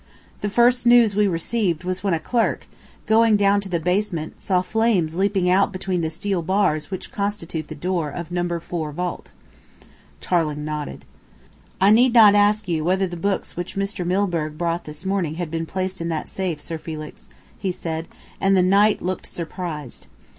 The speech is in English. The first news we received was when a clerk, going down to the basement, saw flames leaping out between the steel bars which constitute the door of No. 4 vault." Tarling nodded. "I need not ask you whether the books which Mr. Milburgh brought this morning had been placed in that safe, Sir Felix," he said, and the knight looked surprised.